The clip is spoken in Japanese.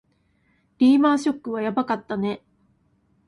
リーマンショックはやばかったね